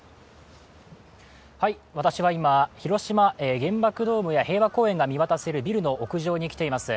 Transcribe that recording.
私は今広島、原爆ドームや平和公園が見渡せるビルの屋上に来ています。